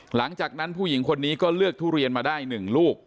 หลังจากนั้นผู้หญิงคนนี้ก็เลือกทุเรียนมาได้๑ลูก